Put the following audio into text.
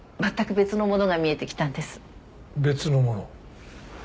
別のもの？